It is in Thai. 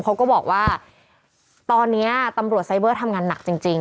เขาก็บอกว่าตอนนี้ตำรวจไซเบอร์ทำงานหนักจริง